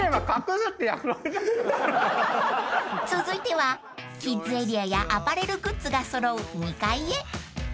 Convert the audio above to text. ［続いてはキッズエリアやアパレルグッズが揃う２階へ］